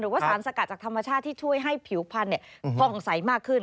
ว่าสารสกัดจากธรรมชาติที่ช่วยให้ผิวพันธุ์พองใสมากขึ้น